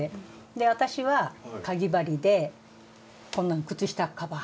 私はかぎ針でこんなん靴下カバー。